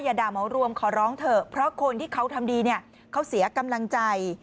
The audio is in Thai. ด่าเหมารวมขอร้องเถอะเพราะคนที่เขาทำดีเนี่ยเขาเสียกำลังใจ